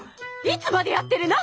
いつまでやってるの？